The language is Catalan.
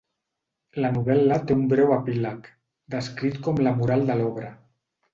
La novel·la té un breu epíleg, descrit com la moral de l'obra.